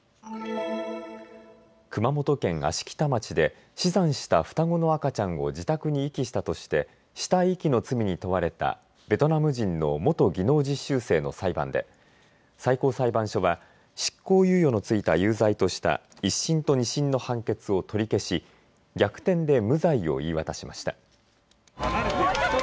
熊本県芦北町で死産した双子の赤ちゃんを自宅に遺棄したとして死体遺棄の罪に問われたベトナム人の元技能実習生の裁判で最高裁判所は執行猶予の付いた有罪とした１審と２審の判決を取り消し逆転で無罪を言い渡しました。